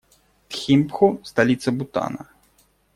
Тхимпху - столица Бутана.